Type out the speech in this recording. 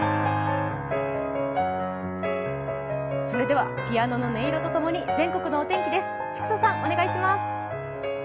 それではピアノの音色とともに全国のお天気です。